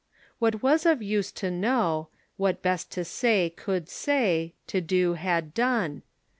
What was of use to know, What best to say could say, to do liad done.